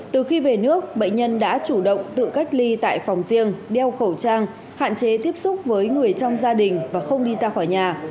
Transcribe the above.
từ khi về nước bệnh nhân đã chủ động tự cách ly tại phòng riêng đeo khẩu trang hạn chế tiếp xúc với người trong gia đình và không đi ra khỏi nhà